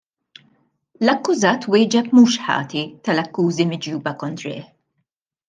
L-akkużat wieġeb mhux ħati tal-akkużi miġjuba kontrih.